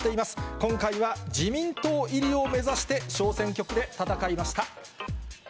今回は自民党入りを目指して、小選挙区で戦いました。